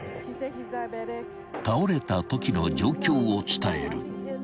［倒れたときの状況を伝える］